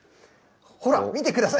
ほら、見てください。